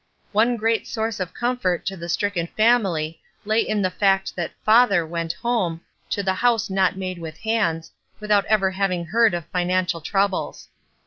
One great source of comfort to the stricken family lay in the fact that '* father" went home, to the house not made with hands, without ever having heard of financial troubles.